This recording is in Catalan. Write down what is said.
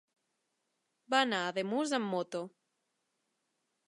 Va anar a Ademús amb moto.